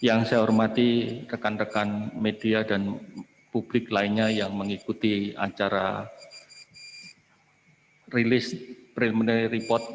yang saya hormati rekan rekan media dan publik lainnya yang mengikuti acara rilis preliminary report